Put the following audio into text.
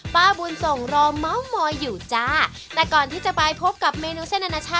เพราะฉะนั้นรีบมาทานกันนะ